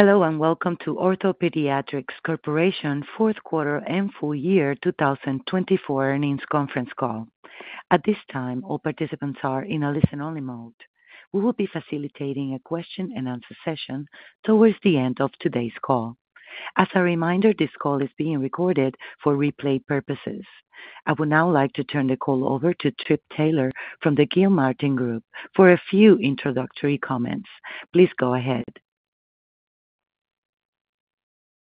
Hello and welcome to OrthoPediatrics Corporation Fourth Quarter and Full Year 2024 Earnings Conference Call. At this time, all participants are in a listen-only mode. We will be facilitating a question-and-answer session towards the end of today's call. As a reminder, this call is being recorded for replay purposes. I would now like to turn the call over to Trip Taylor from the Gilmartin Group for a few introductory comments. Please go ahead.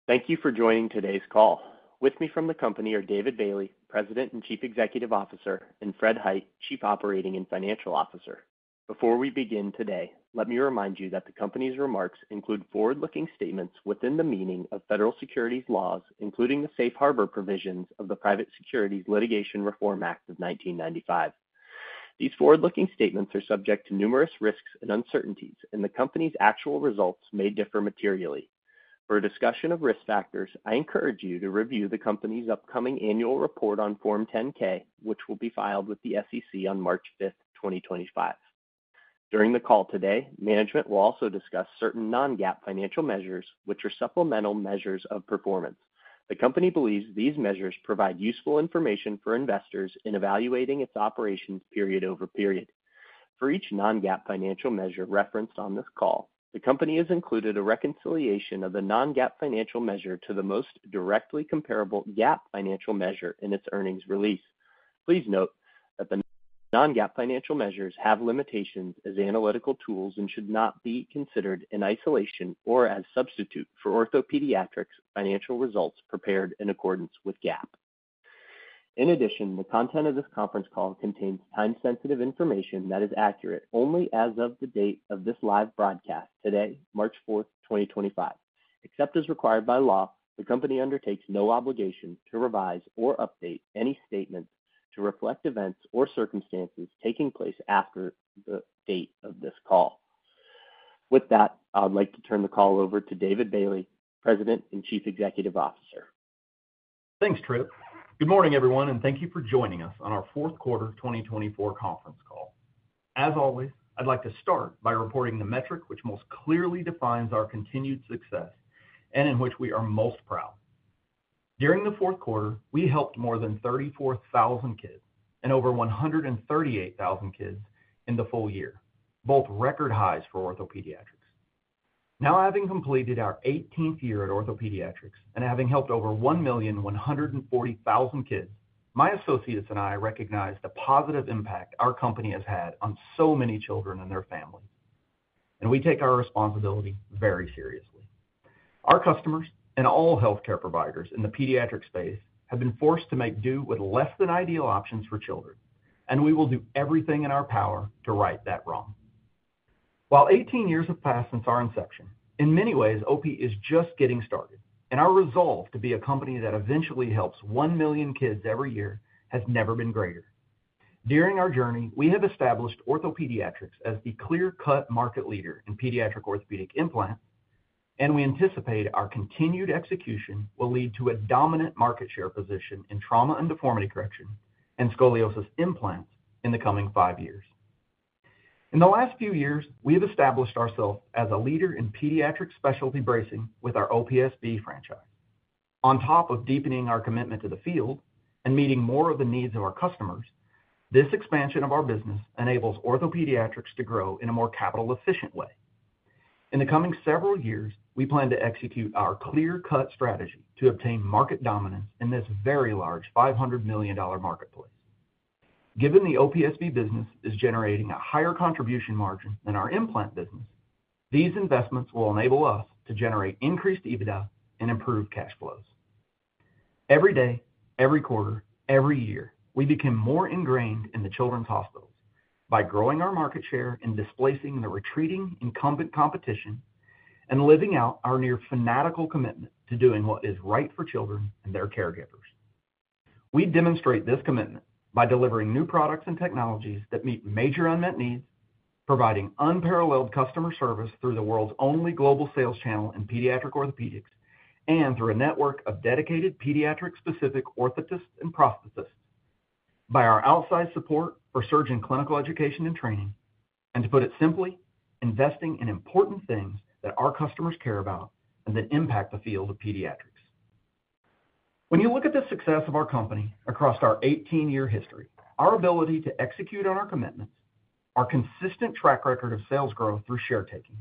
Thank you for joining today's call. With me from the company are David Bailey, President and Chief Executive Officer, and Fred Hite, Chief Operating and Financial Officer. Before we begin today, let me remind you that the company's remarks include forward-looking statements within the meaning of federal securities laws, including the safe harbor provisions of the Private Securities Litigation Reform Act of 1995. These forward-looking statements are subject to numerous risks and uncertainties, and the company's actual results may differ materially. For a discussion of risk factors, I encourage you to review the company's upcoming annual report on Form 10-K, which will be filed with the SEC on March 5th, 2025. During the call today, management will also discuss certain non-GAAP financial measures, which are supplemental measures of performance. The company believes these measures provide useful information for investors in evaluating its operations period over period. For each non-GAAP financial measure referenced on this call, the company has included a reconciliation of the non-GAAP financial measure to the most directly comparable GAAP financial measure in its earnings release. Please note that the non-GAAP financial measures have limitations as analytical tools and should not be considered in isolation or as a substitute for OrthoPediatrics' financial results prepared in accordance with GAAP. In addition, the content of this conference call contains time-sensitive information that is accurate only as of the date of this live broadcast today, March 4th, 2025. Except as required by law, the company undertakes no obligation to revise or update any statements to reflect events or circumstances taking place after the date of this call. With that, I would like to turn the call over to David Bailey, President and Chief Executive Officer. Thanks, Trip. Good morning, everyone, and thank you for joining us on our fourth quarter 2024 conference call. As always, I'd like to start by reporting the metric which most clearly defines our continued success and in which we are most proud. During the fourth quarter, we helped more than 34,000 kids and over 138,000 kids in the full year, both record highs for OrthoPediatrics. Now, having completed our 18th year at OrthoPediatrics and having helped over 1,140,000 kids, my associates and I recognize the positive impact our company has had on so many children and their families. We take our responsibility very seriously. Our customers and all healthcare providers in the pediatric space have been forced to make do with less than ideal options for children, and we will do everything in our power to right that wrong. While 18 years have passed since our inception, in many ways, OP is just getting started, and our resolve to be a company that eventually helps 1 million kids every year has never been greater. During our journey, we have established OrthoPediatrics as the clear-cut market leader in pediatric orthopedic implants, and we anticipate our continued execution will lead to a dominant market share position in trauma and deformity correction and scoliosis implants in the coming five years. In the last few years, we have established ourselves as a leader in pediatric specialty bracing with our OPSB franchise. On top of deepening our commitment to the field and meeting more of the needs of our customers, this expansion of our business enables OrthoPediatrics to grow in a more capital-efficient way. In the coming several years, we plan to execute our clear-cut strategy to obtain market dominance in this very large $500 million marketplace. Given the OPSB business is generating a higher contribution margin than our implant business, these investments will enable us to generate increased EBITDA and improve cash flows. Every day, every quarter, every year, we become more ingrained in the children's hospitals by growing our market share and displacing the retreating incumbent competition and living out our near-fanatical commitment to doing what is right for children and their caregivers. We demonstrate this commitment by delivering new products and technologies that meet major unmet needs, providing unparalleled customer service through the world's only global sales channel in pediatric orthopedics and through a network of dedicated pediatric-specific orthotists and prosthetists, by our outside support for surgeon clinical education and training, and to put it simply, investing in important things that our customers care about and that impact the field of pediatrics. When you look at the success of our company across our 18-year history, our ability to execute on our commitments, our consistent track record of sales growth through share taking,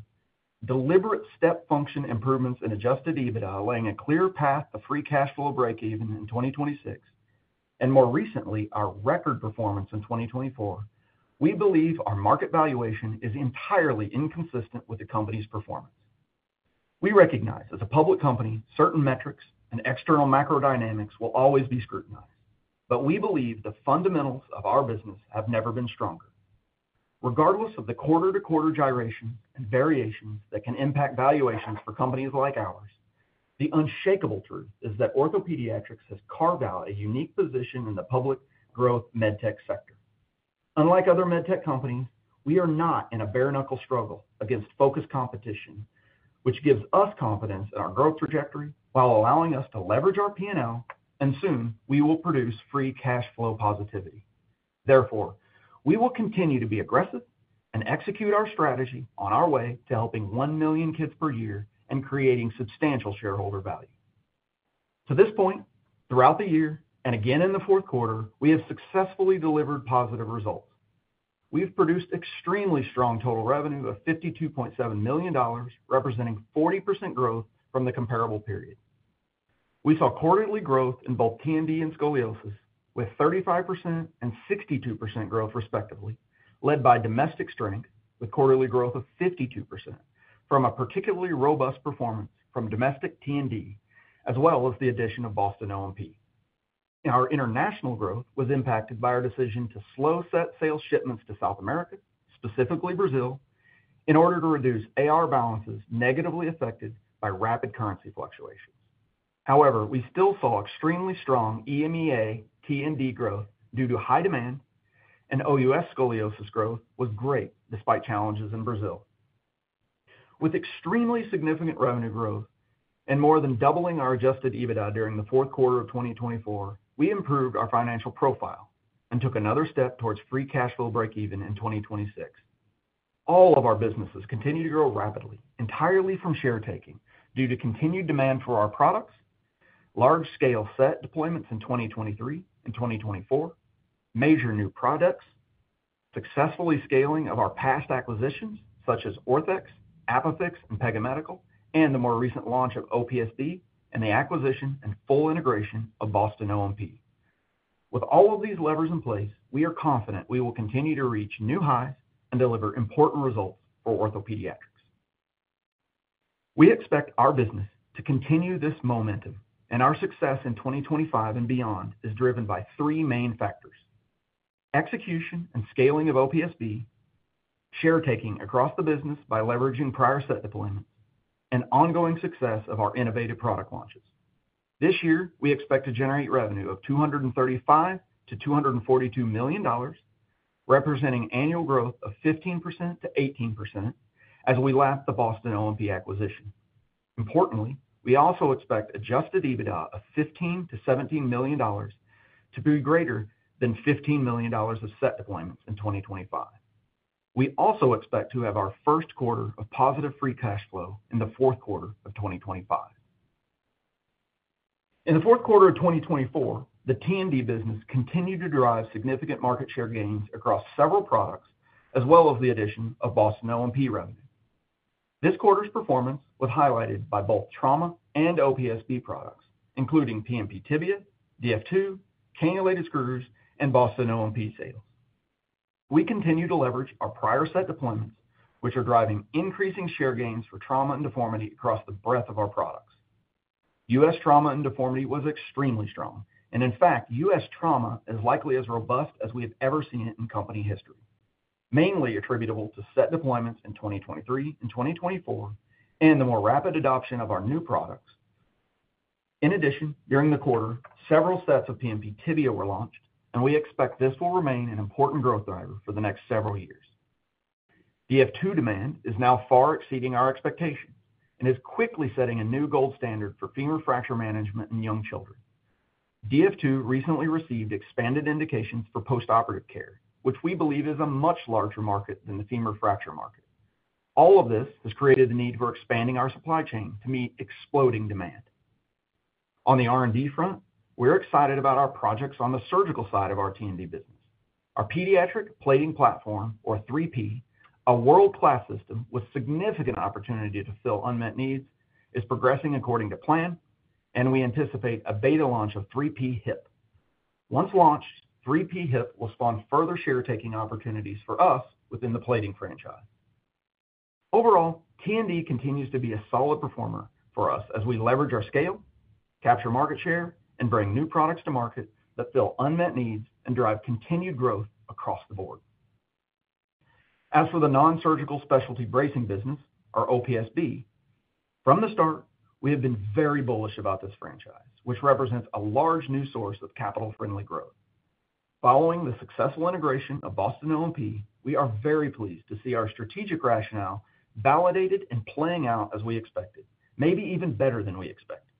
deliberate step function improvements in adjusted EBITDA laying a clear path to free cash flow break-even in 2026, and more recently, our record performance in 2024, we believe our market valuation is entirely inconsistent with the company's performance. We recognize as a public company, certain metrics and external macrodynamics will always be scrutinized, but we believe the fundamentals of our business have never been stronger. Regardless of the quarter-to-quarter gyrations and variations that can impact valuations for companies like ours, the unshakeable truth is that OrthoPediatrics has carved out a unique position in the public growth med tech sector. Unlike other med tech companies, we are not in a bare-knuckle struggle against focused competition, which gives us confidence in our growth trajectory while allowing us to leverage our P&L, and soon we will produce free cash flow positivity. Therefore, we will continue to be aggressive and execute our strategy on our way to helping 1 million kids per year and creating substantial shareholder value. To this point, throughout the year and again in the fourth quarter, we have successfully delivered positive results. We have produced extremely strong total revenue of $52.7 million, representing 40% growth from the comparable period. We saw quarterly growth in both T&D and scoliosis with 35% and 62% growth respectively, led by domestic strength with quarterly growth of 52% from a particularly robust performance from domestic T&D, as well as the addition of Boston Orthotics & Prosthetics. Our international growth was impacted by our decision to slow-set sales shipments to South America, specifically Brazil, in order to reduce AR balances negatively affected by rapid currency fluctuations. However, we still saw extremely strong EMEA T&D growth due to high demand, and OUS scoliosis growth was great despite challenges in Brazil. With extremely significant revenue growth and more than doubling our adjusted EBITDA during the fourth quarter of 2024, we improved our financial profile and took another step towards free cash flow break-even in 2026. All of our businesses continue to grow rapidly, entirely from share taking due to continued demand for our products, large-scale set deployments in 2023 and 2024, major new products, successfully scaling of our past acquisitions such as OrthX, ApiFix, and Pega Medical, and the more recent launch of OPSB and the acquisition and full integration of Boston O&P. With all of these levers in place, we are confident we will continue to reach new highs and deliver important results for OrthoPediatrics. We expect our business to continue this momentum, and our success in 2025 and beyond is driven by three main factors: execution and scaling of OPSB, share taking across the business by leveraging prior set deployments, and ongoing success of our innovative product launches. This year, we expect to generate revenue of $235 million-$242 million, representing annual growth of 15%-18% as we lap the Boston O&P acquisition. Importantly, we also expect adjusted EBITDA of $15 million-$17 million to be greater than $15 million of set deployments in 2025. We also expect to have our first quarter of positive free cash flow in the fourth quarter of 2025. In the fourth quarter of 2024, the T&D business continued to derive significant market share gains across several products, as well as the addition of Boston O&P revenue. This quarter's performance was highlighted by both trauma and OPSB products, including PMP Tibia, DF2, cannulated screws, and Boston O&P sales. We continue to leverage our prior set deployments, which are driving increasing share gains for trauma and deformity across the breadth of our products. U.S. Trauma and deformity was extremely strong, and in fact, U.S. trauma is likely as robust as we have ever seen it in company history, mainly attributable to set deployments in 2023 and 2024 and the more rapid adoption of our new products. In addition, during the quarter, several sets of PMP Tibia were launched, and we expect this will remain an important growth driver for the next several years. DF2 demand is now far exceeding our expectations and is quickly setting a new gold standard for femur fracture management in young children. DF2 recently received expanded indications for postoperative care, which we believe is a much larger market than the femur fracture market. All of this has created the need for expanding our supply chain to meet exploding demand. On the RND front, we're excited about our projects on the surgical side of our T&D business. Our pediatric plating platform, or 3P, a world-class system with significant opportunity to fill unmet needs, is progressing according to plan, and we anticipate a beta launch of 3P HIP. Once launched, 3P HIP will spawn further share taking opportunities for us within the plating franchise. Overall, T&D continues to be a solid performer for us as we leverage our scale, capture market share, and bring new products to market that fill unmet needs and drive continued growth across the board. As for the non-surgical specialty bracing business, or OPSB, from the start, we have been very bullish about this franchise, which represents a large new source of capital-friendly growth. Following the successful integration of Boston O&P, we are very pleased to see our strategic rationale validated and playing out as we expected, maybe even better than we expected.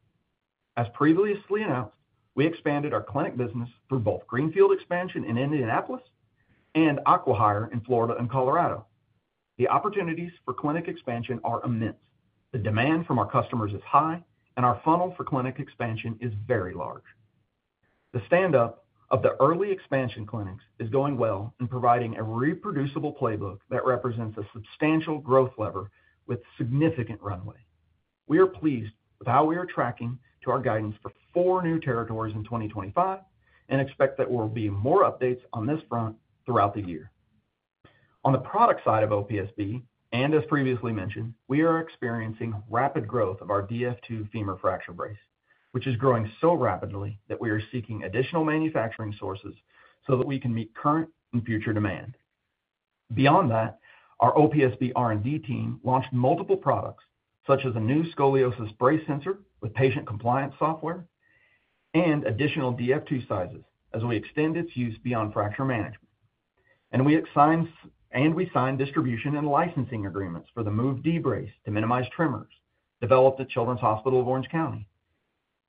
As previously announced, we expanded our clinic business through both Greenfield Expansion in Indianapolis and Aquihire in Florida and Colorado. The opportunities for clinic expansion are immense. The demand from our customers is high, and our funnel for clinic expansion is very large. The stand-up of the early expansion clinics is going well and providing a reproducible playbook that represents a substantial growth lever with significant runway. We are pleased with how we are tracking to our guidance for four new territories in 2025 and expect that we will be more updates on this front throughout the year. On the product side of OPSB, and as previously mentioned, we are experiencing rapid growth of our DF2 femur fracture brace, which is growing so rapidly that we are seeking additional manufacturing sources so that we can meet current and future demand. Beyond that, our OPSB RND team launched multiple products, such as a new scoliosis brace sensor with patient compliance software and additional DF2 sizes as we extend its use beyond fracture management. We signed distribution and licensing agreements for the Move D brace to minimize tremors developed at Children's Hospital of Orange County,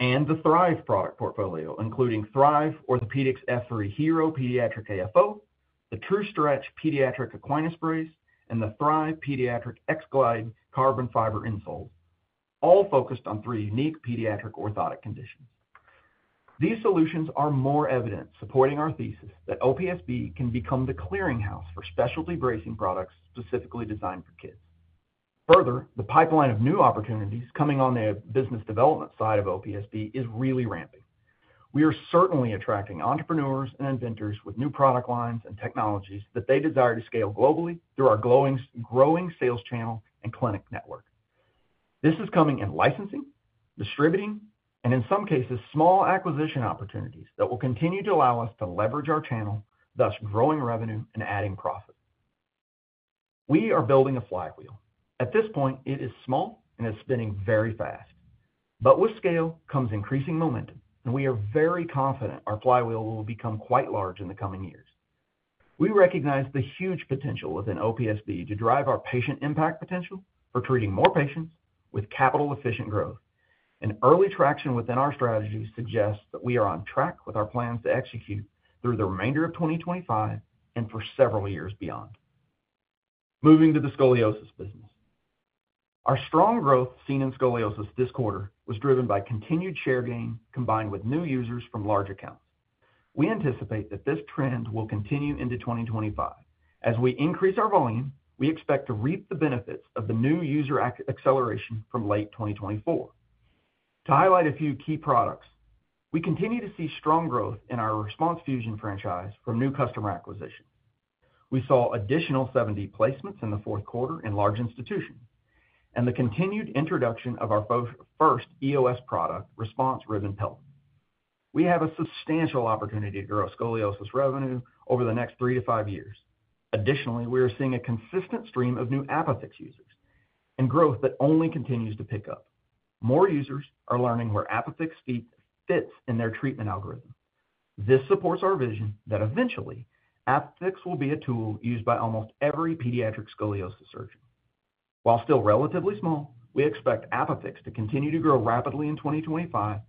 and the Thrive product portfolio, including Thrive Orthopedics F3 Hero Pediatric AFO, the True Stretch Pediatric Aquinas Spray, and the Thrive Pediatric X-Glide Carbon Fiber Insoles, all focused on three unique pediatric orthotic conditions. These solutions are more evident supporting our thesis that OPSB can become the clearinghouse for specialty bracing products specifically designed for kids. Further, the pipeline of new opportunities coming on the business development side of OPSB is really ramping. We are certainly attracting entrepreneurs and inventors with new product lines and technologies that they desire to scale globally through our growing sales channel and clinic network. This is coming in licensing, distributing, and in some cases, small acquisition opportunities that will continue to allow us to leverage our channel, thus growing revenue and adding profit. We are building a flywheel. At this point, it is small and is spinning very fast. With scale comes increasing momentum, and we are very confident our flywheel will become quite large in the coming years. We recognize the huge potential within OPSB to drive our patient impact potential for treating more patients with capital-efficient growth. Early traction within our strategy suggests that we are on track with our plans to execute through the remainder of 2025 and for several years beyond. Moving to the scoliosis business. Our strong growth seen in scoliosis this quarter was driven by continued share gain combined with new users from large accounts. We anticipate that this trend will continue into 2025. As we increase our volume, we expect to reap the benefits of the new user acceleration from late 2024. To highlight a few key products, we continue to see strong growth in our Response Fusion franchise from new customer acquisitions. We saw an additional 70 placements in the fourth quarter in large institutions and the continued introduction of our first EOS product, Response Rhythm elt. We have a substantial opportunity to grow scoliosis revenue over the next three to five years. Additionally, we are seeing a consistent stream of new ApiFix users and growth that only continues to pick up. More users are learning where ApiFix fits in their treatment algorithm. This supports our vision that eventually, ApiFix will be a tool used by almost every pediatric scoliosis surgeon. While still relatively small, we expect ApiFix to continue to grow rapidly in 2025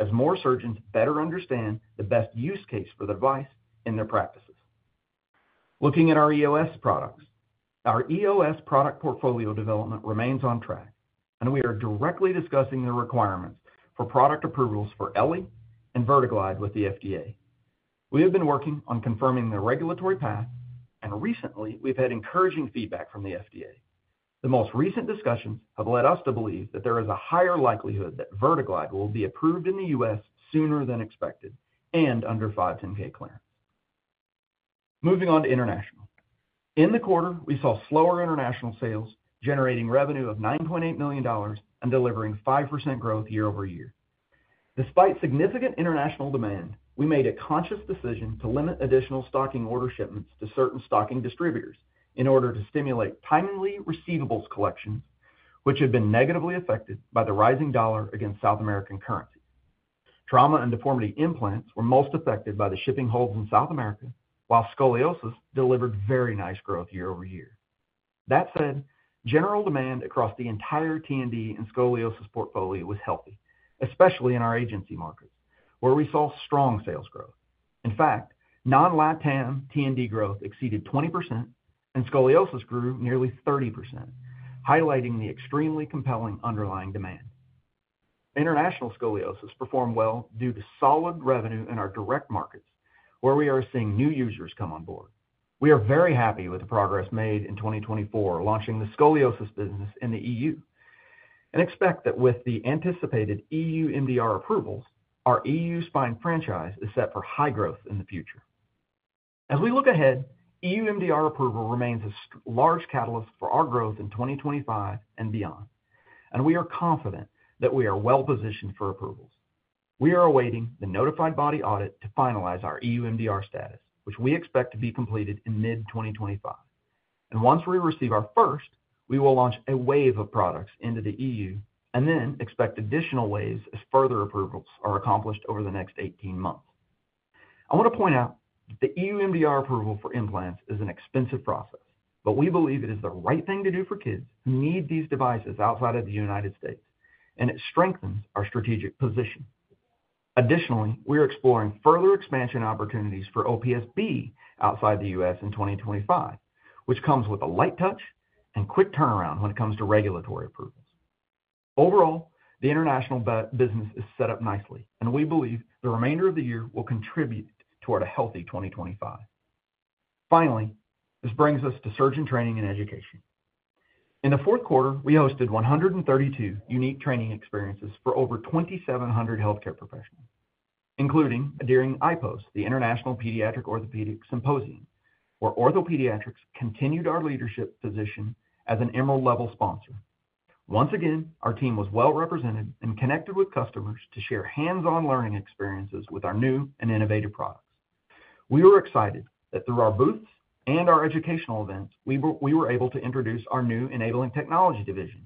as more surgeons better understand the best use case for the device in their practices. Looking at our EOS products, our EOS product portfolio development remains on track, and we are directly discussing the requirements for product approvals for Ellie and Vertiglide with the FDA. We have been working on confirming the regulatory path, and recently, we've had encouraging feedback from the FDA. The most recent discussions have led us to believe that there is a higher likelihood that VERTIGLIDE will be approved in the U.S. sooner than expected and under 510(k) clearance. Moving on to international. In the quarter, we saw slower international sales, generating revenue of $9.8 million and delivering 5% growth year-over-year. Despite significant international demand, we made a conscious decision to limit additional stocking order shipments to certain stocking distributors in order to stimulate timely receivables collections, which have been negatively affected by the rising dollar against South American currency. Trauma and deformity implants were most affected by the shipping holds in South America, while scoliosis delivered very nice growth year-over-year. That said, general demand across the entire T&D and scoliosis portfolio was healthy, especially in our agency markets, where we saw strong sales growth. In fact, non-LATAM T&D growth exceeded 20%, and scoliosis grew nearly 30%, highlighting the extremely compelling underlying demand. International scoliosis performed well due to solid revenue in our direct markets, where we are seeing new users come on board. We are very happy with the progress made in 2024 launching the scoliosis business in the EU and expect that with the anticipated EU MDR approvals, our EU Spine franchise is set for high growth in the future. As we look ahead, EU MDR approval remains a large catalyst for our growth in 2025 and beyond, and we are confident that we are well-positioned for approvals. We are awaiting the Notified Body Audit to finalize our EU MDR status, which we expect to be completed in mid-2025. Once we receive our first, we will launch a wave of products into the EU and then expect additional waves as further approvals are accomplished over the next 18 months. I want to point out that the EU MDR approval for implants is an expensive process, but we believe it is the right thing to do for kids who need these devices outside of the United States, and it strengthens our strategic position. Additionally, we are exploring further expansion opportunities for OPSB outside the U.S. in 2025, which comes with a light touch and quick turnaround when it comes to regulatory approvals. Overall, the international business is set up nicely, and we believe the remainder of the year will contribute toward a healthy 2025. Finally, this brings us to surgeon training and education. In the fourth quarter, we hosted 132 unique training experiences for over 2,700 healthcare professionals, including at the International Pediatric Orthopedic Symposium, where OrthoPediatrics continued our leadership position as an emerald-level sponsor. Once again, our team was well-represented and connected with customers to share hands-on learning experiences with our new and innovative products. We were excited that through our booths and our educational events, we were able to introduce our new enabling technology division,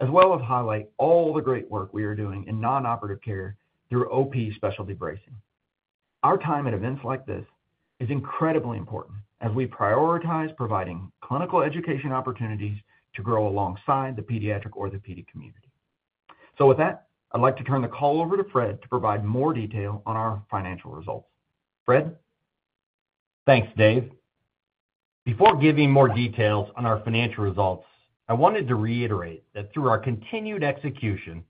as well as highlight all the great work we are doing in non-operative care through OP specialty bracing. Our time at events like this is incredibly important as we prioritize providing clinical education opportunities to grow alongside the pediatric orthopedic community. With that, I'd like to turn the call over to Fred to provide more detail on our financial results. Fred? Thanks, Dave. Before giving more details on our financial results, I wanted to reiterate that through our continued execution,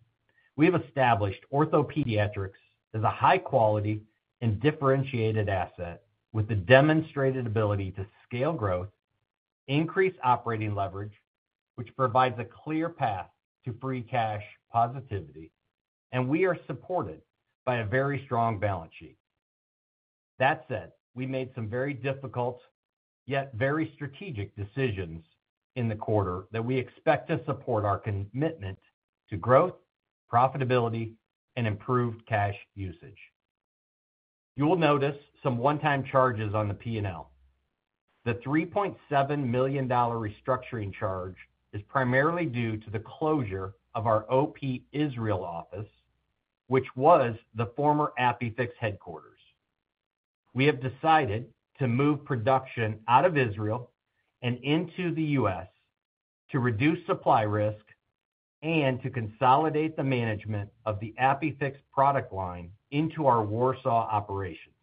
we have established OrthoPediatrics as a high-quality and differentiated asset with the demonstrated ability to scale growth, increase operating leverage, which provides a clear path to free cash positivity, and we are supported by a very strong balance sheet. That said, we made some very difficult, yet very strategic decisions in the quarter that we expect to support our commitment to growth, profitability, and improved cash usage. You will notice some one-time charges on the P&L. The $3.7 million restructuring charge is primarily due to the closure of our OP Israel office, which was the former ApiFix headquarters. We have decided to move production out of Israel and into the U.S. to reduce supply risk and to consolidate the management of the ApiFix product line into our Warsaw operations.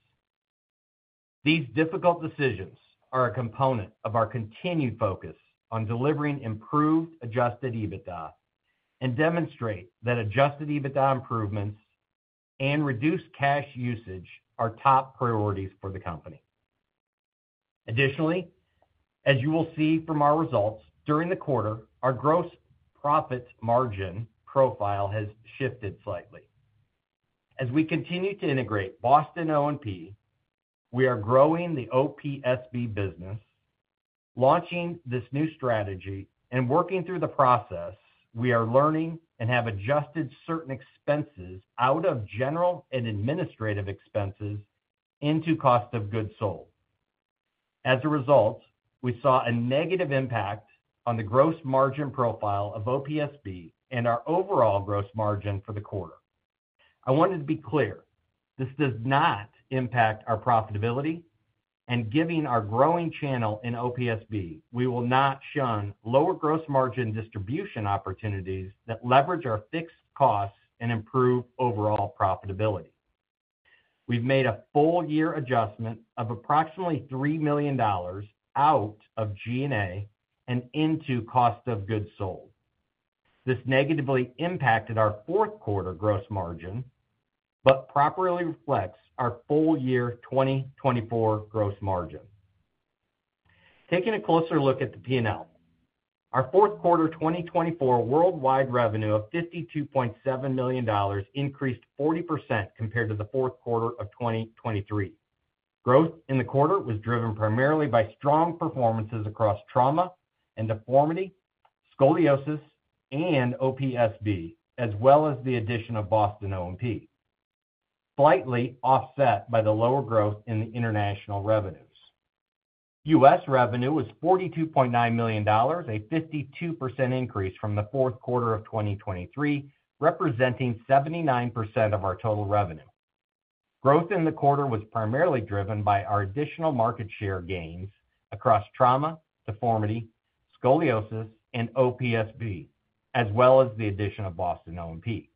These difficult decisions are a component of our continued focus on delivering improved adjusted EBITDA and demonstrate that adjusted EBITDA improvements and reduced cash usage are top priorities for the company. Additionally, as you will see from our results, during the quarter, our gross profit margin profile has shifted slightly. As we continue to integrate Boston O&P, we are growing the OPSB business, launching this new strategy, and working through the process, we are learning and have adjusted certain expenses out of general and administrative expenses into cost of goods sold. As a result, we saw a negative impact on the gross margin profile of OPSB and our overall gross margin for the quarter. I wanted to be clear. This does not impact our profitability, and given our growing channel in OPSB, we will not shun lower gross margin distribution opportunities that leverage our fixed costs and improve overall profitability. We've made a full-year adjustment of approximately $3 million out of G&A and into cost of goods sold. This negatively impacted our fourth quarter gross margin, but properly reflects our full-year 2024 gross margin. Taking a closer look at the P&L, our fourth quarter 2024 worldwide revenue of $52.7 million increased 40% compared to the fourth quarter of 2023. Growth in the quarter was driven primarily by strong performances across trauma and deformity, scoliosis, and OPSB, as well as the addition of Boston O&P, slightly offset by the lower growth in the international revenues. U.S. revenue was $42.9 million, a 52% increase from the fourth quarter of 2023, representing 79% of our total revenue. Growth in the quarter was primarily driven by our additional market share gains across trauma, deformity, scoliosis, and OPSB, as well as the addition of Boston Orthotics & Prosthetics.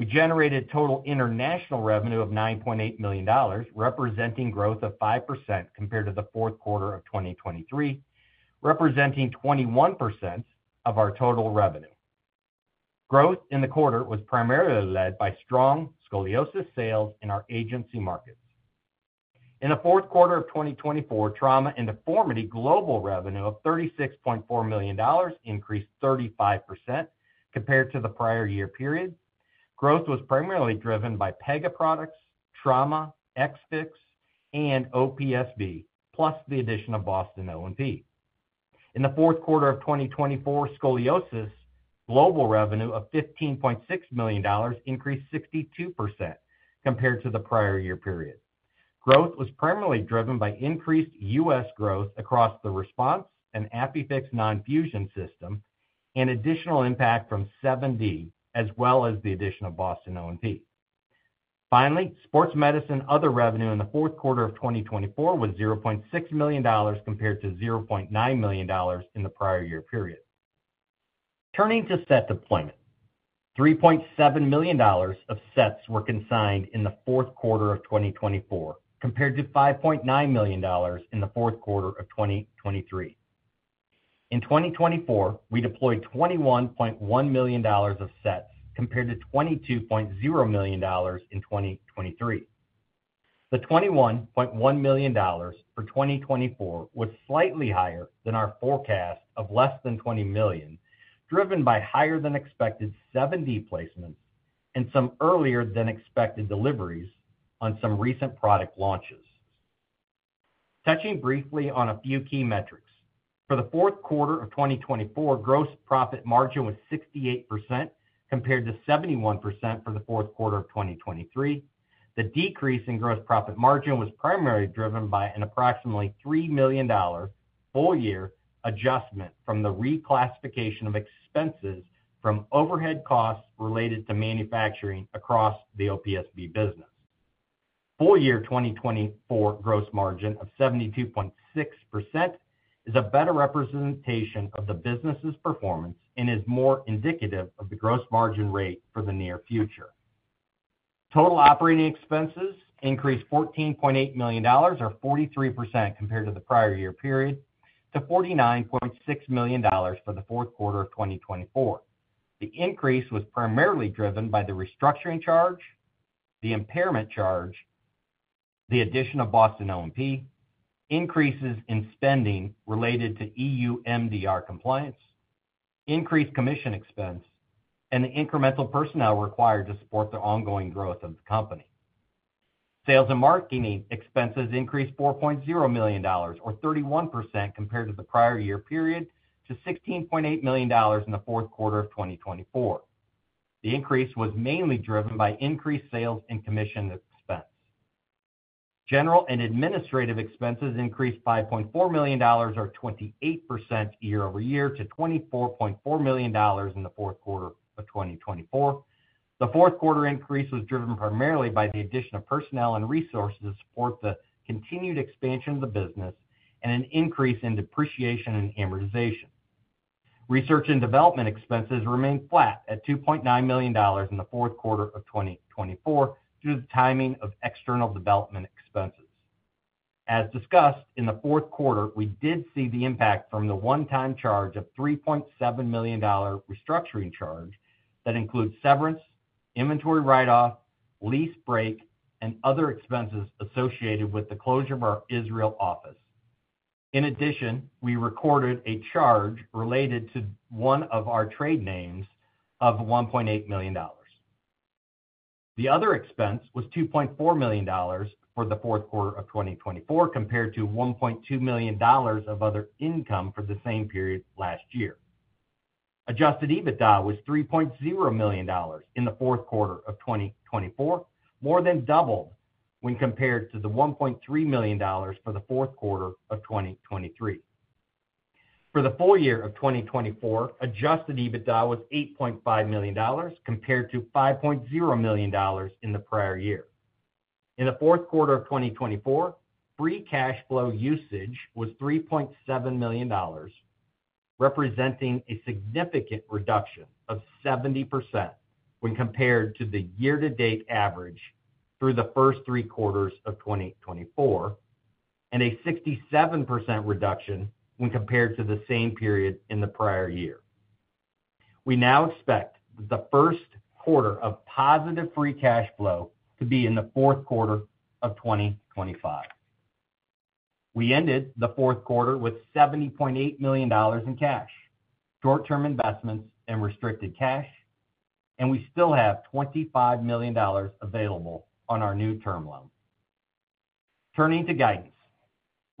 We generated total international revenue of $9.8 million, representing growth of 5% compared to the fourth quarter of 2023, representing 21% of our total revenue. Growth in the quarter was primarily led by strong scoliosis sales in our agency markets. In the fourth quarter of 2024, trauma and deformity global revenue of $36.4 million increased 35% compared to the prior year period. Growth was primarily driven by Pega products, trauma, X-Fix, and OPSB, plus the addition of Boston O&P. In the fourth quarter of 2024, scoliosis global revenue of $15.6 million increased 62% compared to the prior year period. Growth was primarily driven by increased U.S. growth across the response and ApiFix non-fusion system and additional impact from 7D, as well as the addition of Boston O&P. Finally, sports medicine other revenue in the fourth quarter of 2024 was $0.6 million compared to $0.9 million in the prior year period. Turning to set deployment, $3.7 million of sets were consigned in the fourth quarter of 2024 compared to $5.9 million in the fourth quarter of 2023. In 2024, we deployed $21.1 million of sets compared to $22.0 million in 2023. The $21.1 million for 2024 was slightly higher than our forecast of less than $20 million, driven by higher-than-expected 7D placements and some earlier-than-expected deliveries on some recent product launches. Touching briefly on a few key metrics. For the fourth quarter of 2024, gross profit margin was 68% compared to 71% for the fourth quarter of 2023. The decrease in gross profit margin was primarily driven by an approximately $3 million full-year adjustment from the reclassification of expenses from overhead costs related to manufacturing across the OPSB business. Full-year 2024 gross margin of 72.6% is a better representation of the business's performance and is more indicative of the gross margin rate for the near future. Total operating expenses increased $14.8 million, or 43% compared to the prior year period, to $49.6 million for the fourth quarter of 2024. The increase was primarily driven by the restructuring charge, the impairment charge, the addition of Boston O&P, increases in spending related to EU MDR compliance, increased commission expense, and the incremental personnel required to support the ongoing growth of the company. Sales and marketing expenses increased $4.0 million, or 31% compared to the prior year period, to $16.8 million in the fourth quarter of 2024. The increase was mainly driven by increased sales and commission expense. General and administrative expenses increased $5.4 million, or 28% year-over-year, to $24.4 million in the fourth quarter of 2024. The fourth quarter increase was driven primarily by the addition of personnel and resources to support the continued expansion of the business and an increase in depreciation and amortization. Research and development expenses remained flat at $2.9 million in the fourth quarter of 2024 due to the timing of external development expenses. As discussed in the fourth quarter, we did see the impact from the one-time charge of $3.7 million restructuring charge that includes severance, inventory write-off, lease break, and other expenses associated with the closure of our Israel office. In addition, we recorded a charge related to one of our trade names of $1.8 million. The other expense was $2.4 million for the fourth quarter of 2024 compared to $1.2 million of other income for the same period last year. Adjusted EBITDA was $3.0 million in the fourth quarter of 2024, more than doubled when compared to the $1.3 million for the fourth quarter of 2023. For the full year of 2024, adjusted EBITDA was $8.5 million compared to $5.0 million in the prior year. In the fourth quarter of 2024, free cash flow usage was $3.7 million, representing a significant reduction of 70% when compared to the year-to-date average through the first three quarters of 2024, and a 67% reduction when compared to the same period in the prior year. We now expect the first quarter of positive free cash flow to be in the fourth quarter of 2025. We ended the fourth quarter with $70.8 million in cash, short-term investments, and restricted cash, and we still have $25 million available on our new term loan. Turning to guidance,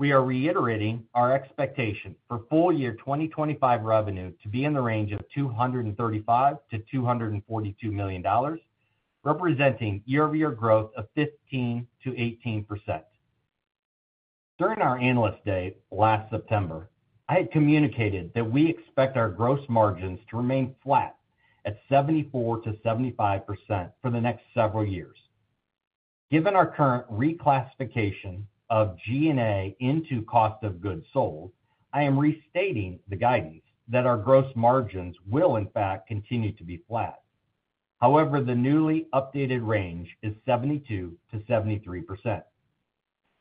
we are reiterating our expectation for full-year 2025 revenue to be in the range of $235 million-$242 million, representing year-over-year growth of 15%-18%. During our analyst day last September, I had communicated that we expect our gross margins to remain flat at 74%-75% for the next several years. Given our current reclassification of G&A into cost of goods sold, I am restating the guidance that our gross margins will, in fact, continue to be flat. However, the newly updated range is 72%-73%.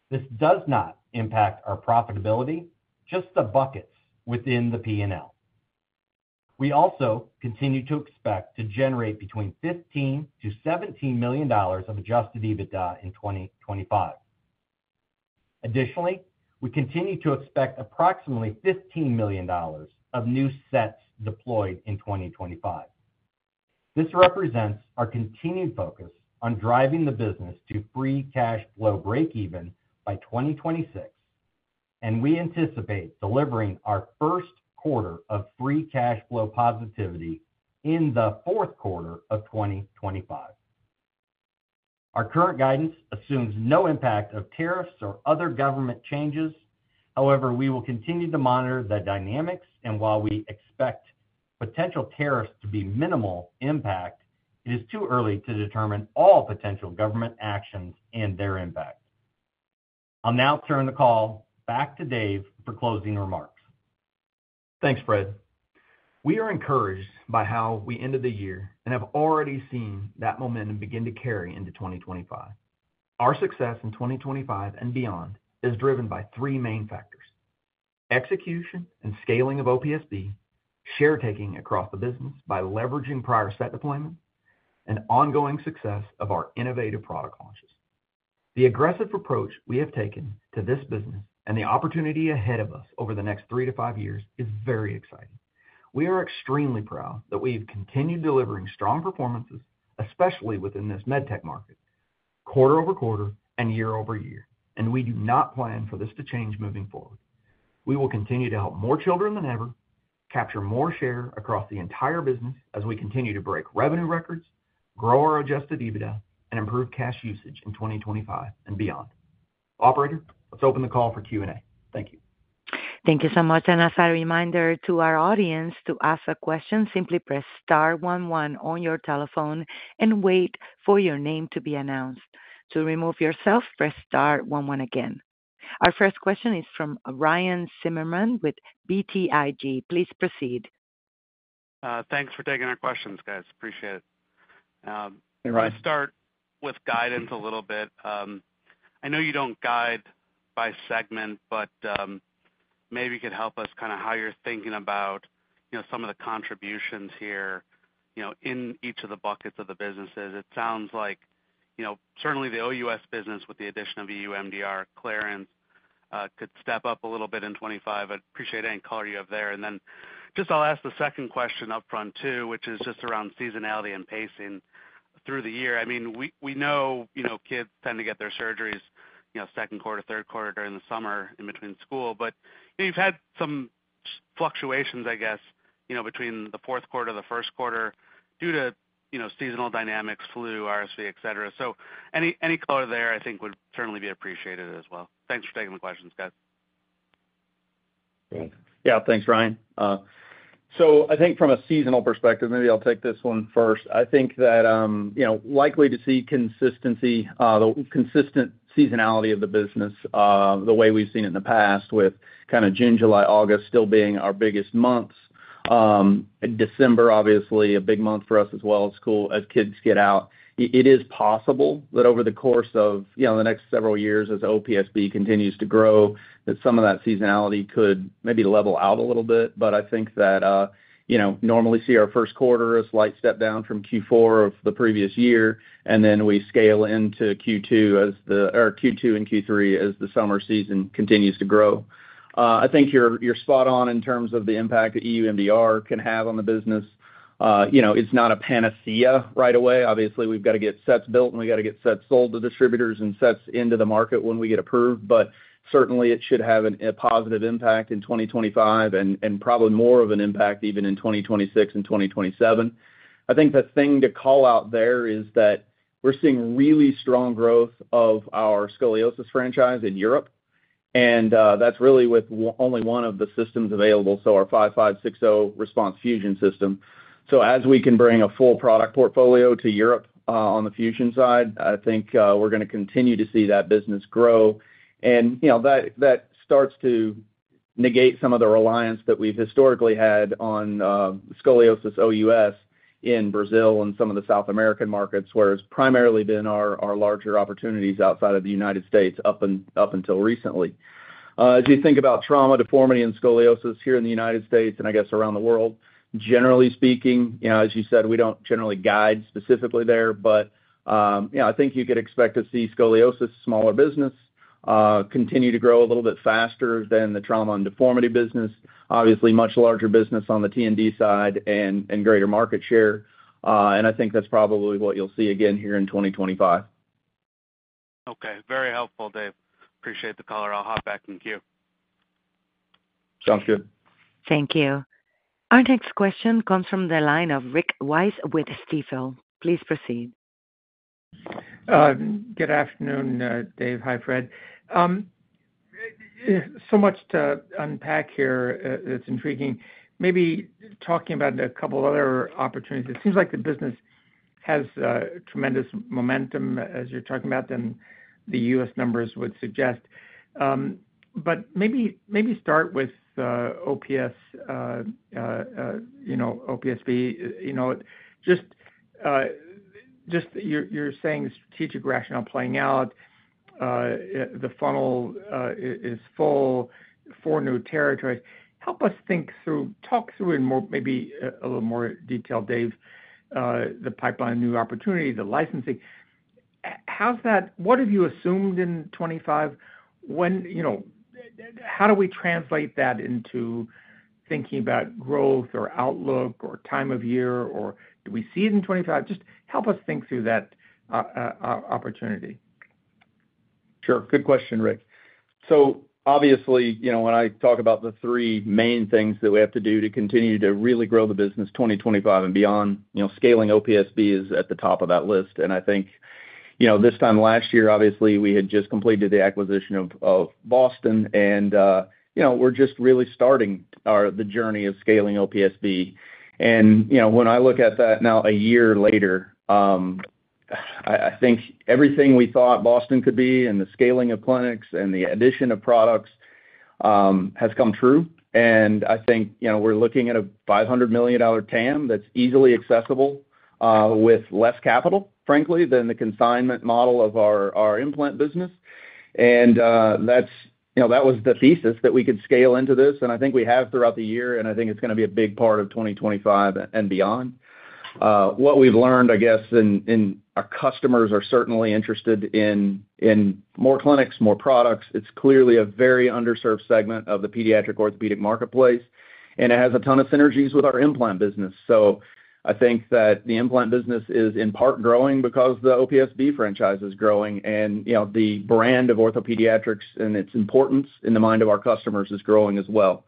This does not impact our profitability, just the buckets within the P&L. We also continue to expect to generate between $15 million-$17 million of adjusted EBITDA in 2025. Additionally, we continue to expect approximately $15 million of new sets deployed in 2025. This represents our continued focus on driving the business to free cash flow breakeven by 2026, and we anticipate delivering our first quarter of free cash flow positivity in the fourth quarter of 2025. Our current guidance assumes no impact of tariffs or other government changes. However, we will continue to monitor the dynamics, and while we expect potential tariffs to be minimal impact, it is too early to determine all potential government actions and their impact. I'll now turn the call back to Dave for closing remarks. Thanks, Fred. We are encouraged by how we ended the year and have already seen that momentum begin to carry into 2025. Our success in 2025 and beyond is driven by three main factors: execution and scaling of OPSB, share taking across the business by leveraging prior set deployment, and ongoing success of our innovative product launches. The aggressive approach we have taken to this business and the opportunity ahead of us over the next three to five years is very exciting. We are extremely proud that we have continued delivering strong performances, especially within this med tech market, quarter-over-quarter and year-over- year, and we do not plan for this to change moving forward. We will continue to help more children than ever, capture more share across the entire business as we continue to break revenue records, grow our adjusted EBITDA, and improve cash usage in 2025 and beyond. Operator, let's open the call for Q&A. Thank you. Thank you so much. As a reminder to our audience to ask a question, simply press star 11 on your telephone and wait for your name to be announced. To remove yourself, press star 11 again. Our first question is from Ryan Zimmerman with BTIG. Please proceed. Thanks for taking our questions, guys. Appreciate it. Let's start with guidance a little bit. I know you don't guide by segment, but maybe you could help us kind of how you're thinking about some of the contributions here in each of the buckets of the businesses. It sounds like certainly the OUS business with the addition of EU MDR clearance could step up a little bit in 2025. I appreciate any color you have there. Just I'll ask the second question upfront too, which is just around seasonality and pacing through the year. I mean, we know kids tend to get their surgeries second quarter, third quarter during the summer in between school, but you've had some fluctuations, I guess, between the fourth quarter and the first quarter due to seasonal dynamics, flu, RSV, etc. Any color there, I think, would certainly be appreciated as well. Thanks for taking the questions, guys. Yeah, thanks, Ryan. I think from a seasonal perspective, maybe I'll take this one first. I think that likely to see consistency, the consistent seasonality of the business the way we've seen it in the past with kind of June, July, August still being our biggest months. December, obviously, a big month for us as well as school as kids get out. It is possible that over the course of the next several years, as OPSB continues to grow, that some of that seasonality could maybe level out a little bit. I think that normally see our first quarter as a slight step down from Q4 of the previous year, and then we scale into Q2 or Q2 and Q3 as the summer season continues to grow. I think you're spot on in terms of the impact that EU MDR can have on the business. It's not a panacea right away. Obviously, we've got to get sets built, and we've got to get sets sold to distributors and sets into the market when we get approved, but certainly it should have a positive impact in 2025 and probably more of an impact even in 2026 and 2027. I think the thing to call out there is that we're seeing really strong growth of our scoliosis franchise in Europe, and that's really with only one of the systems available, so our 5560 RESPONSE fusion system. As we can bring a full product portfolio to Europe on the fusion side, I think we're going to continue to see that business grow. That starts to negate some of the reliance that we've historically had on scoliosis OUS in Brazil and some of the South American markets, where it's primarily been our larger opportunities outside of the United States up until recently. As you think about trauma, deformity, and scoliosis here in the United States and I guess around the world, generally speaking, as you said, we don't generally guide specifically there, but I think you could expect to see scoliosis, smaller business, continue to grow a little bit faster than the trauma and deformity business, obviously much larger business on the T&D side and greater market share. I think that's probably what you'll see again here in 2025. Okay. Very helpful, Dave. Appreciate the color. I'll hop back in queue. Sounds good. Thank you. Our next question comes from the line of Rick Wise with Stifel. Please proceed. Good afternoon, Dave. Hi, Fred. So much to unpack here. It's intriguing. Maybe talking about a couple of other opportunities. It seems like the business has tremendous momentum as you're talking about and the U.S. numbers would suggest. Maybe start with OPSB. Just you're saying the strategic rationale playing out, the funnel is full, four new territories. Help us think through, talk through in maybe a little more detail, Dave, the pipeline, new opportunity, the licensing. What have you assumed in 2025? How do we translate that into thinking about growth or outlook or time of year? Do we see it in 2025? Just help us think through that opportunity. Sure. Good question, Rick. Obviously, when I talk about the three main things that we have to do to continue to really grow the business 2025 and beyond, scaling OPSB is at the top of that list. I think this time last year, obviously, we had just completed the acquisition of Boston, and we were just really starting the journey of scaling OPSB. When I look at that now a year later, I think everything we thought Boston could be and the scaling of clinics and the addition of products has come true. I think we're looking at a $500 million TAM that's easily accessible with less capital, frankly, than the consignment model of our implant business. That was the thesis that we could scale into this, and I think we have throughout the year. I think it's going to be a big part of 2025 and beyond. What we've learned, I guess, and our customers are certainly interested in more clinics, more products. It's clearly a very underserved segment of the pediatric orthopedic marketplace, and it has a ton of synergies with our implant business. I think that the implant business is in part growing because the OPSB franchise is growing, and the brand of OrthoPediatrics and its importance in the mind of our customers is growing as well.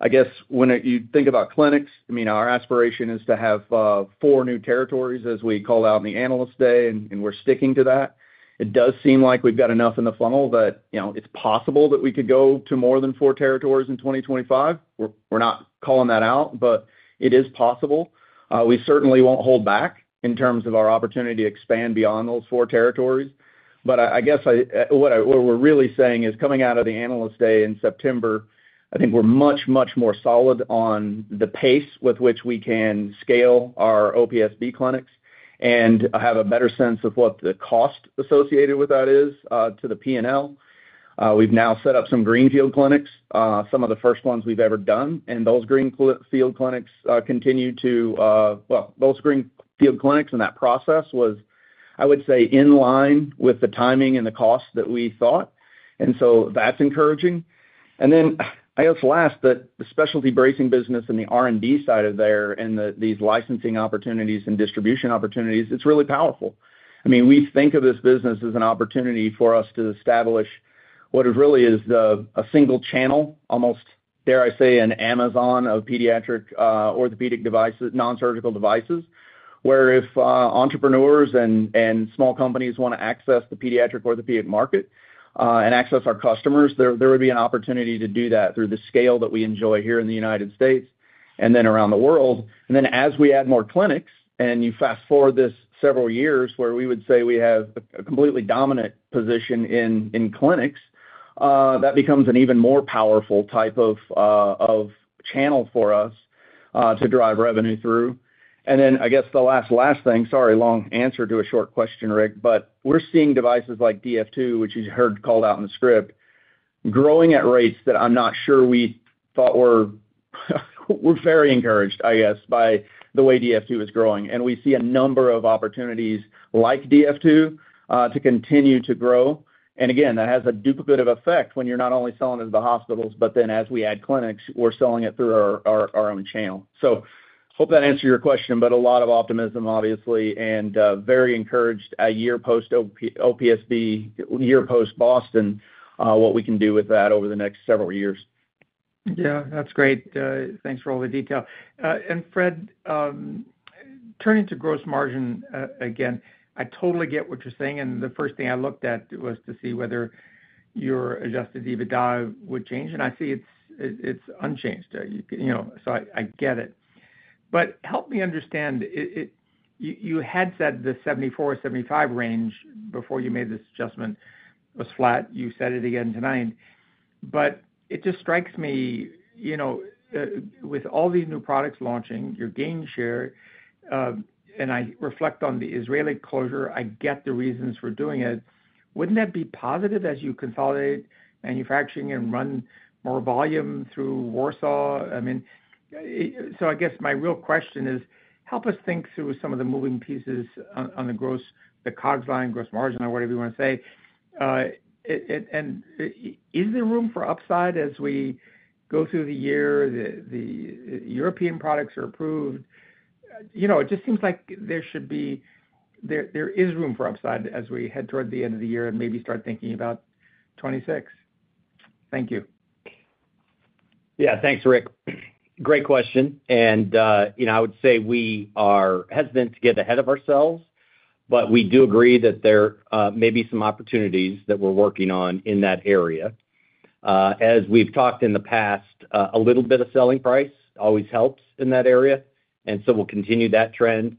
I guess when you think about clinics, I mean, our aspiration is to have four new territories as we call out in the analyst day, and we're sticking to that. It does seem like we've got enough in the funnel that it's possible that we could go to more than four territories in 2025. We're not calling that out, but it is possible. We certainly won't hold back in terms of our opportunity to expand beyond those four territories. I guess what we're really saying is coming out of the analyst day in September, I think we're much, much more solid on the pace with which we can scale our OPSB clinics and have a better sense of what the cost associated with that is to the P&L. We've now set up some greenfield clinics, some of the first ones we've ever done, and those greenfield clinics continue to, those greenfield clinics and that process was, I would say, in line with the timing and the cost that we thought. That is encouraging. I guess last, the specialty bracing business and the R&D side of there and these licensing opportunities and distribution opportunities, it's really powerful. I mean, we think of this business as an opportunity for us to establish what really is a single channel, almost, dare I say, an Amazon of pediatric orthopedic devices, nonsurgical devices, where if entrepreneurs and small companies want to access the pediatric orthopedic market and access our customers, there would be an opportunity to do that through the scale that we enjoy here in the United States and then around the world. As we add more clinics and you fast forward this several years where we would say we have a completely dominant position in clinics, that becomes an even more powerful type of channel for us to drive revenue through. I guess the last, last thing, sorry, long answer to a short question, Rick, but we're seeing devices like DF2, which you heard called out in the script, growing at rates that I'm not sure we thought were very encouraged, I guess, by the way DF2 is growing. We see a number of opportunities like DF2 to continue to grow. That has a duplicate of effect when you're not only selling to the hospitals, but then as we add clinics, we're selling it through our own channel. I hope that answered your question, but a lot of optimism, obviously, and very encouraged a year post OPSB, year post Boston, what we can do with that over the next several years. Yeah, that's great. Thanks for all the detail. Fred, turning to gross margin again, I totally get what you're saying. The first thing I looked at was to see whether your adjusted EBITDA would change. I see it's unchanged. I get it. Help me understand. You had said the 74-75 range before you made this adjustment was flat. You said it again tonight. It just strikes me with all these new products launching, your gain share, and I reflect on the Israeli closure. I get the reasons for doing it. Wouldn't that be positive as you consolidate manufacturing and run more volume through Warsaw? I mean, I guess my real question is, help us think through some of the moving pieces on the gross, the COGS line, gross margin, or whatever you want to say. Is there room for upside as we go through the year? The European products are approved. It just seems like there should be there is room for upside as we head toward the end of the year and maybe start thinking about 2026. Thank you. Yeah, thanks, Rick. Great question. I would say we are hesitant to get ahead of ourselves, but we do agree that there may be some opportunities that we're working on in that area. As we've talked in the past, a little bit of selling price always helps in that area. We will continue that trend.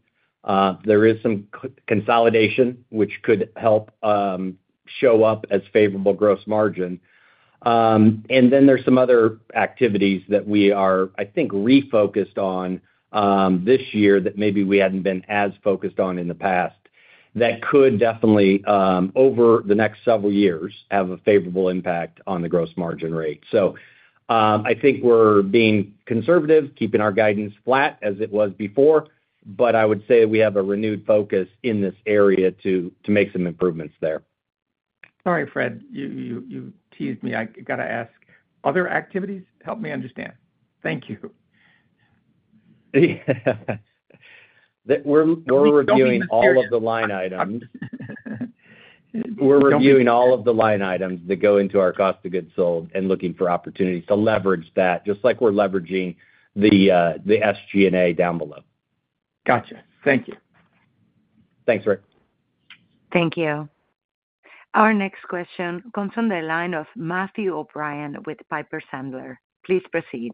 There is some consolidation, which could help show up as favorable gross margin. There are some other activities that we are, I think, refocused on this year that maybe we hadn't been as focused on in the past that could definitely, over the next several years, have a favorable impact on the gross margin rate. I think we're being conservative, keeping our guidance flat as it was before, but I would say we have a renewed focus in this area to make some improvements there. Sorry, Fred. You teased me. I got to ask. Other activities? Help me understand. Thank you. We're reviewing all of the line items. We're reviewing all of the line items that go into our cost of goods sold and looking for opportunities to leverage that, just like we're leveraging the SG&A down below. Gotcha. Thank you. Thanks, Rick. Thank you. Our next question comes on the line of Matthew O'Brien with Piper Sandler. Please proceed.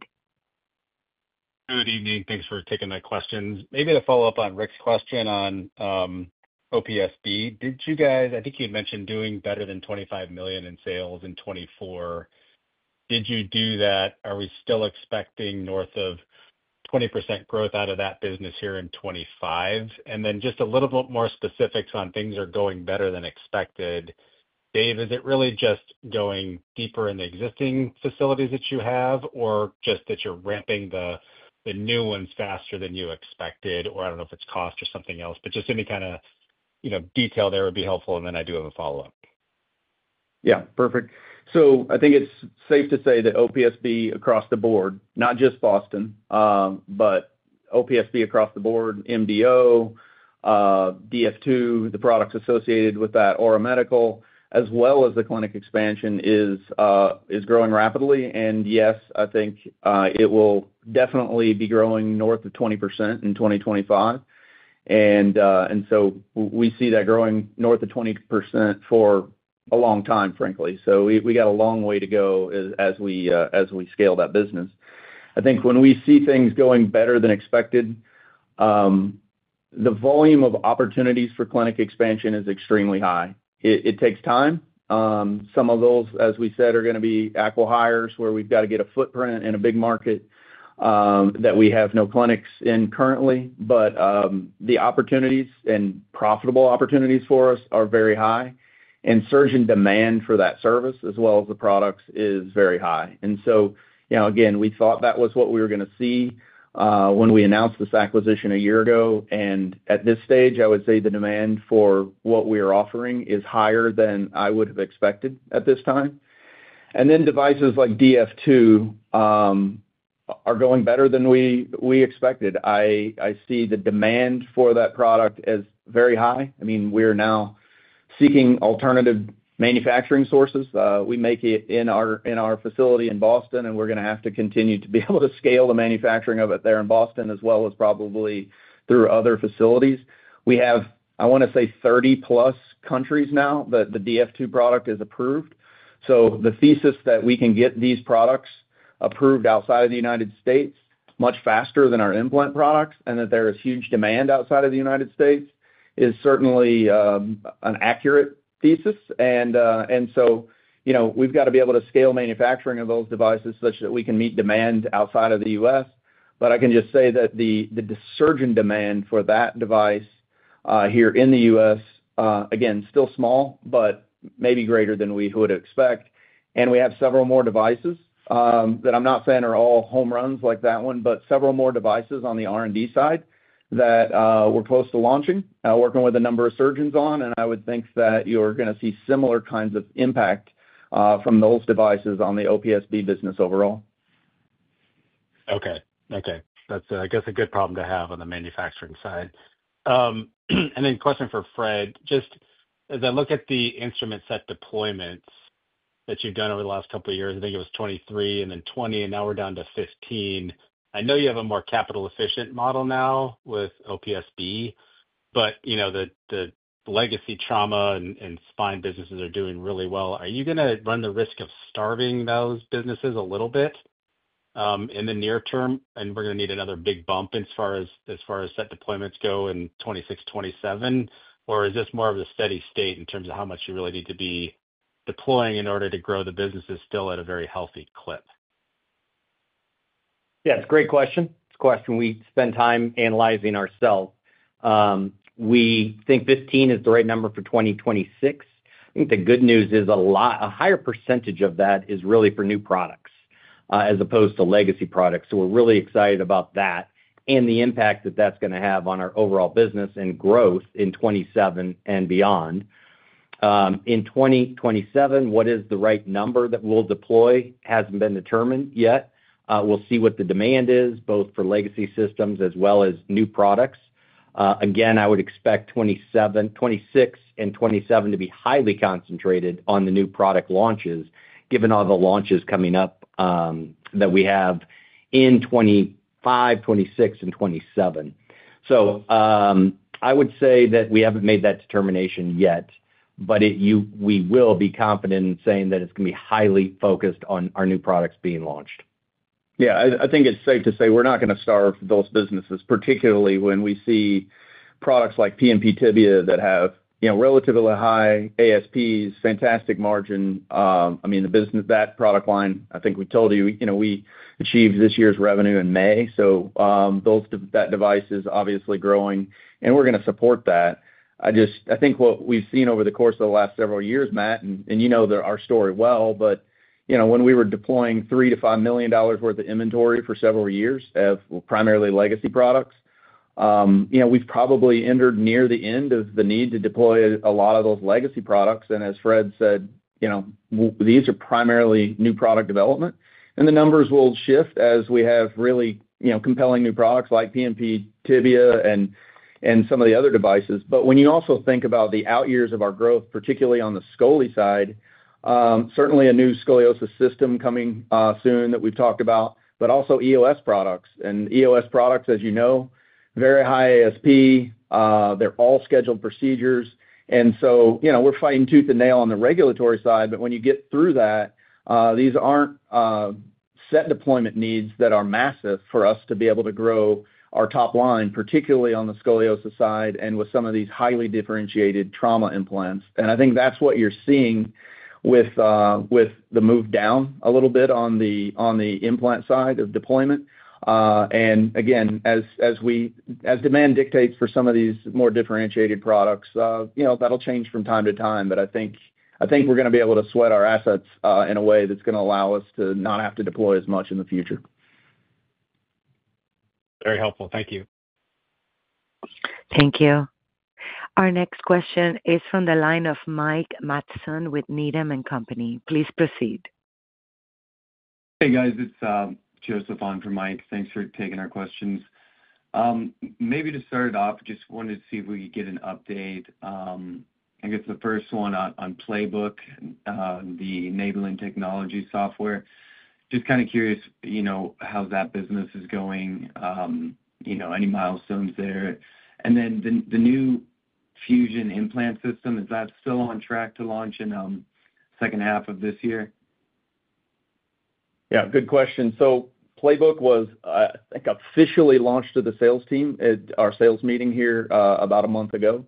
Good evening. Thanks for taking my questions. Maybe to follow up on Rick's question on OPSB, did you guys I think you had mentioned doing better than $25 million in sales in 2024. Did you do that? Are we still expecting north of 20% growth out of that business here in 2025? And then just a little bit more specifics on things are going better than expected. Dave, is it really just going deeper in the existing facilities that you have, or just that you're ramping the new ones faster than you expected? I do not know if it's cost or something else, but just any kind of detail there would be helpful, and then I do have a follow-up. Yeah. Perfect. I think it's safe to say that OPSB across the board, not just Boston, but OPSB across the board, MDO, DF2, the products associated with that, Aura Medical, as well as the clinic expansion is growing rapidly. Yes, I think it will definitely be growing north of 20% in 2025. We see that growing north of 20% for a long time, frankly. We have a long way to go as we scale that business. I think when we see things going better than expected, the volume of opportunities for clinic expansion is extremely high. It takes time. Some of those, as we said, are going to be aqua hires where we have to get a footprint in a big market that we have no clinics in currently. The opportunities and profitable opportunities for us are very high. Surge in demand for that service as well as the products is very high. Again, we thought that was what we were going to see when we announced this acquisition a year ago. At this stage, I would say the demand for what we are offering is higher than I would have expected at this time. Devices like DF2 are going better than we expected. I see the demand for that product as very high. I mean, we're now seeking alternative manufacturing sources. We make it in our facility in Boston, and we're going to have to continue to be able to scale the manufacturing of it there in Boston as well as probably through other facilities. I want to say, 30+ countries now that the DF2 product is approved. The thesis that we can get these products approved outside of the United States much faster than our implant products and that there is huge demand outside of the United States is certainly an accurate thesis. We have got to be able to scale manufacturing of those devices such that we can meet demand outside of the U.S. I can just say that the surge in demand for that device here in the U.S., again, still small, but maybe greater than we would expect. We have several more devices that I am not saying are all home runs like that one, but several more devices on the RND side that we are close to launching, working with a number of surgeons on. I would think that you are going to see similar kinds of impact from those devices on the OPSB business overall. Okay. That is, I guess, a good problem to have on the manufacturing side. Question for Fred. Just as I look at the instrument set deployments that you've done over the last couple of years, I think it was 23 and then 20, and now we're down to 15. I know you have a more capital-efficient model now with OPSB, but the legacy trauma and spine businesses are doing really well. Are you going to run the risk of starving those businesses a little bit in the near term? We're going to need another big bump as far as set deployments go in 2026, 2027, or is this more of a steady state in terms of how much you really need to be deploying in order to grow the businesses still at a very healthy clip? Yeah. It's a great question. It's a question we spend time analyzing ourselves. We think 15 is the right number for 2026. I think the good news is a higher percentage of that is really for new products as opposed to legacy products. We are really excited about that and the impact that that is going to have on our overall business and growth in 2027 and beyond. In 2027, what is the right number that we will deploy has not been determined yet. We will see what the demand is, both for legacy systems as well as new products. Again, I would expect 2026 and 2027 to be highly concentrated on the new product launches, given all the launches coming up that we have in 2025, 2026, and 2027. I would say that we have not made that determination yet, but we will be confident in saying that it is going to be highly focused on our new products being launched. Yeah. I think it's safe to say we're not going to starve those businesses, particularly when we see products like PMP Tibia that have relatively high ASPs, fantastic margin. I mean, that product line, I think we told you we achieved this year's revenue in May. So that device is obviously growing, and we're going to support that. I think what we've seen over the course of the last several years, Matt, and you know our story well, but when we were deploying $3 million-$5 million worth of inventory for several years of primarily legacy products, we've probably entered near the end of the need to deploy a lot of those legacy products. As Fred said, these are primarily new product development. The numbers will shift as we have really compelling new products like PMP Tibia and some of the other devices. When you also think about the out years of our growth, particularly on the Scoli side, certainly a new scoliosis system coming soon that we've talked about, but also EOS products. And EOS products, as you know, very high ASP. They're all scheduled procedures. We're fighting tooth and nail on the regulatory side, but when you get through that, these aren't set deployment needs that are massive for us to be able to grow our top line, particularly on the scoliosis side and with some of these highly differentiated trauma implants. I think that's what you're seeing with the move down a little bit on the implant side of deployment. Again, as demand dictates for some of these more differentiated products, that'll change from time to time, but I think we're going to be able to sweat our assets in a way that's going to allow us to not have to deploy as much in the future. Very helpful. Thank you. Thank you. Our next question is from the line of Mike Matson with Needham & Company. Please proceed. Hey, guys. It's Joseph on for Mike. Thanks for taking our questions. Maybe to start it off, just wanted to see if we could get an update. I guess the first one on Playbook, the Needham Technology Software. Just kind of curious how that business is going, any milestones there. And then the new fusion implant system, is that still on track to launch in the second half of this year? Yeah. Good question. Playbook was, I think, officially launched to the sales team at our sales meeting here about a month ago.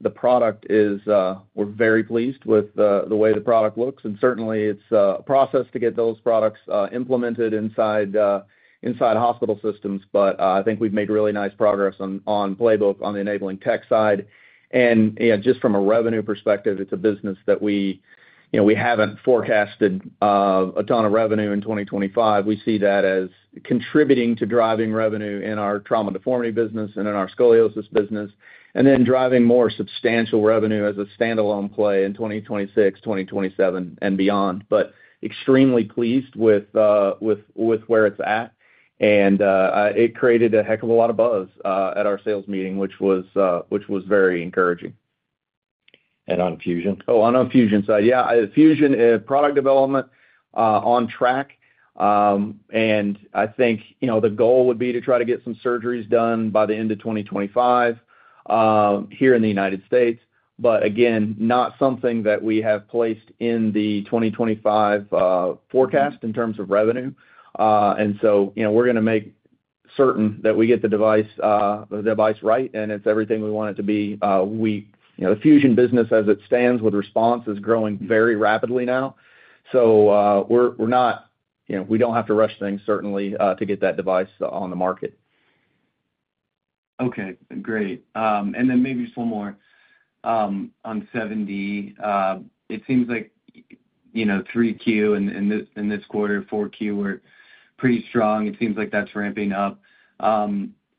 The product, we're very pleased with the way the product looks. Certainly, it's a process to get those products implemented inside hospital systems, but I think we've made really nice progress on Playbook on the enabling tech side. Just from a revenue perspective, it's a business that we haven't forecasted a ton of revenue in 2025. We see that as contributing to driving revenue in our trauma deformity business and in our scoliosis business, and then driving more substantial revenue as a standalone play in 2026, 2027, and beyond. Extremely pleased with where it's at. It created a heck of a lot of buzz at our sales meeting, which was very encouraging. On fusion? Oh, on a fusion side. Yeah. Fusion product development on track. I think the goal would be to try to get some surgeries done by the end of 2025 here in the United States, but again, not something that we have placed in the 2025 forecast in terms of revenue. We are going to make certain that we get the device right, and it is everything we want it to be. The fusion business, as it stands with Response, is growing very rapidly now. We do not have to rush things, certainly, to get that device on the market. Okay. Great. Maybe just one more on 7D. It seems like 3Q and this quarter, 4Q, were pretty strong. It seems like that is ramping up.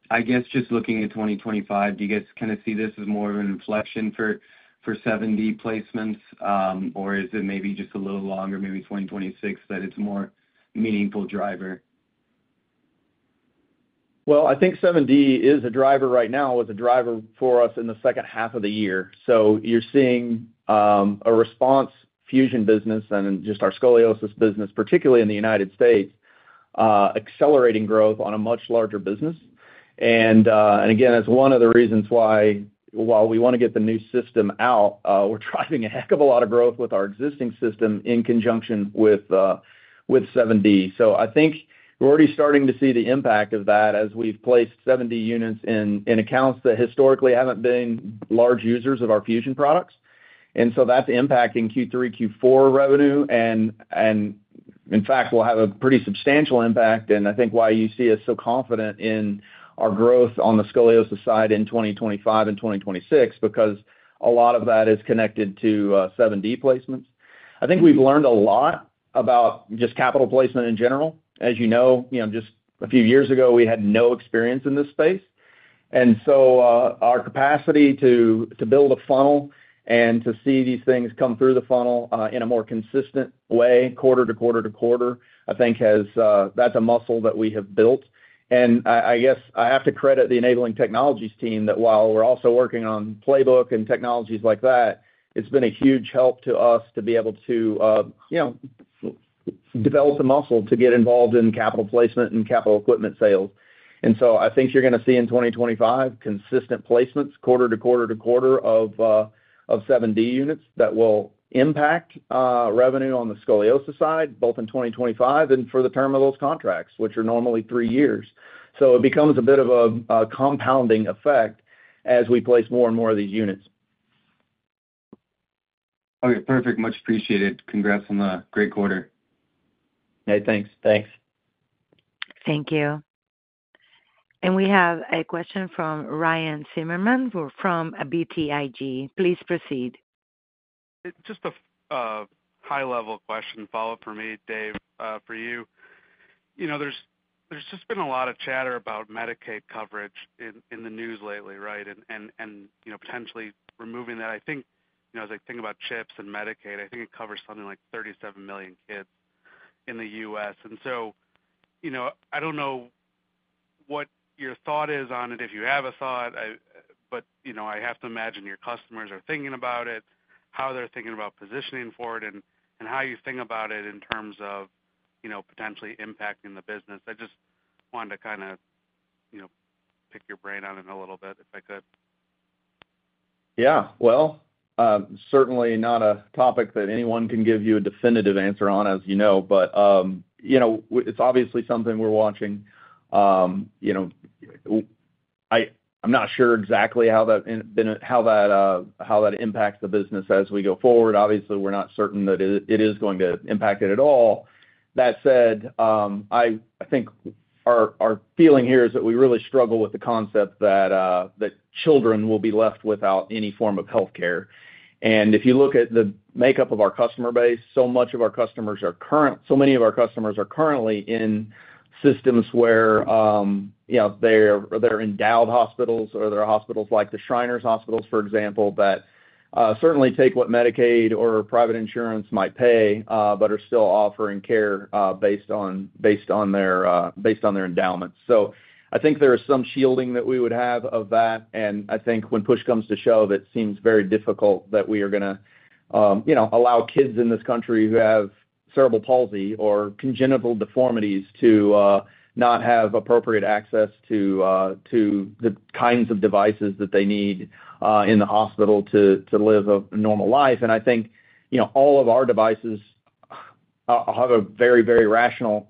I guess just looking at 2025, do you guys kind of see this as more of an inflection for 7D placements, or is it maybe just a little longer, maybe 2026, that it's a more meaningful driver? I think 7D is a driver right now, was a driver for us in the second half of the year. You are seeing a Response Fusion business and just our scoliosis business, particularly in the United States, accelerating growth on a much larger business. That is one of the reasons why, while we want to get the new system out, we are driving a heck of a lot of growth with our existing system in conjunction with 7D. I think we are already starting to see the impact of that as we have placed 7D units in accounts that historically have not been large users of our fusion products. That is impacting Q3, Q4 revenue. In fact, it will have a pretty substantial impact. I think why you see us so confident in our growth on the scoliosis side in 2025 and 2026 is because a lot of that is connected to 7D placements. I think we have learned a lot about just capital placement in general. As you know, just a few years ago, we had no experience in this space. Our capacity to build a funnel and to see these things come through the funnel in a more consistent way, quarter-to-quarter to quarter, is a muscle that we have built. I guess I have to credit the Enabling Technologies team that while we're also working on Playbook and technologies like that, it's been a huge help to us to be able to develop the muscle to get involved in capital placement and capital equipment sales. I think you're going to see in 2025 consistent placements, quarter to quarter to quarter of 7D units that will impact revenue on the scoliosis side, both in 2025 and for the term of those contracts, which are normally three years. It becomes a bit of a compounding effect as we place more and more of these units. Okay. Perfect. Much appreciated. Congrats on the great quarter. Hey, thanks. Thanks. Thank you. We have a question from Ryan Zimmerman from BTIG. Please proceed. Just a high-level question follow-up for me, Dave, for you. There's just been a lot of chatter about Medicaid coverage in the news lately, right, and potentially removing that. I think as I think about CHIPS and Medicaid, I think it covers something like 37 million kids in the U.S. And so I don't know what your thought is on it, if you have a thought, but I have to imagine your customers are thinking about it, how they're thinking about positioning for it, and how you think about it in terms of potentially impacting the business. I just wanted to kind of pick your brain on it a little bit, if I could. Yeah. Certainly not a topic that anyone can give you a definitive answer on, as you know, but it's obviously something we're watching. I'm not sure exactly how that impacts the business as we go forward. Obviously, we're not certain that it is going to impact it at all. That said, I think our feeling here is that we really struggle with the concept that children will be left without any form of healthcare. If you look at the makeup of our customer base, so many of our customers are currently in systems where they're endowed hospitals or they're hospitals like the Shriners Hospitals, for example, that certainly take what Medicaid or private insurance might pay, but are still offering care based on their endowments. I think there is some shielding that we would have of that. I think when push comes to shove, it seems very difficult that we are going to allow kids in this country who have cerebral palsy or congenital deformities to not have appropriate access to the kinds of devices that they need in the hospital to live a normal life. I think all of our devices have a very, very rational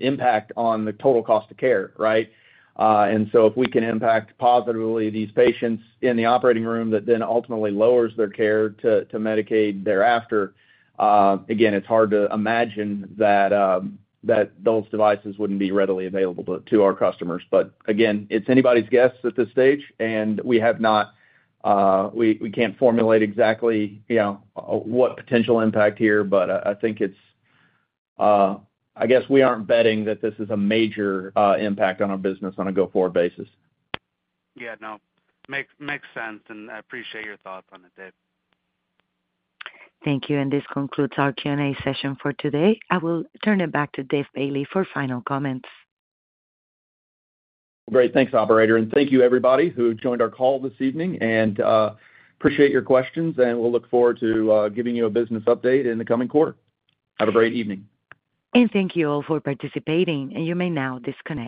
impact on the total cost of care, right? If we can impact positively these patients in the operating room that then ultimately lowers their care to Medicaid thereafter, again, it's hard to imagine that those devices wouldn't be readily available to our customers. Again, it's anybody's guess at this stage, and we can't formulate exactly what potential impact here, but I think it's I guess we aren't betting that this is a major impact on our business on a go-forward basis. Yeah. No. Makes sense. I appreciate your thoughts on it, Dave. Thank you. This concludes our Q&A session for today. I will turn it back to Dave Bailey for final comments. Great. Thanks, operator. Thank you, everybody, who joined our call this evening. I appreciate your questions, and we'll look forward to giving you a business update in the coming quarter. Have a great evening. Thank you all for participating. You may now disconnect.